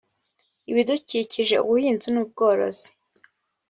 ibidukikije ubuhinzi n ubworozi